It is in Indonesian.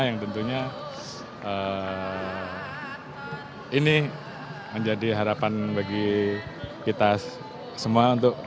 yang tentunya ini menjadi harapan bagi kita semua untuk